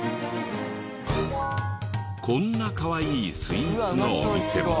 こんなかわいいスイーツのお店も。